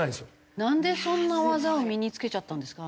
なんでそんな技を身に付けちゃったんですか？